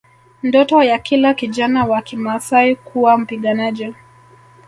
Ndoto ya kila kijana wa Kimaasai kuwa mpiganaji